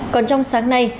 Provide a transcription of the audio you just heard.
còn trong sáng nay